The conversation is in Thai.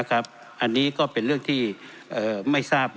ท่านจะเกษียณอายุในปีนี้อันนี้ก็เป็นเรื่องที่ไม่ทราบ